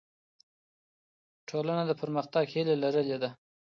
ټولنه د پرمختګ هیله لرلې ده.